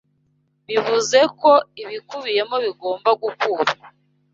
bivuze ko ibikubiyemo bigomba gukurwa